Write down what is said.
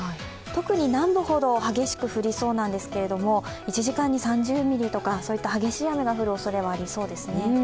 特に南部ほど激しく降りそうなんですけれども、１時間に３０ミリとか、そういった激しい雨が降るおそれはありそうですね。